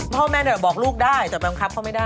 พ่อแม่บอกลูกได้แต่บังคับเขาไม่ได้